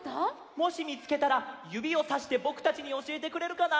もしみつけたらゆびをさしてぼくたちにおしえてくれるかな？